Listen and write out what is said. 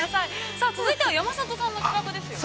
さあ、続いては山里さんの企画ですよね？